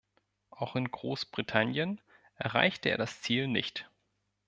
Auch in Großbritannien erreichte er das Ziel nicht.